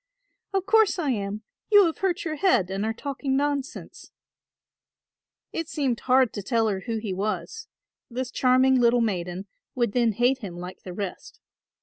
"Of course I am; you have hurt your head and are talking nonsense." It seemed hard to tell her who he was; this charming little maiden would then hate him like the rest.